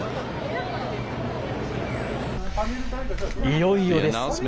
いよいよです。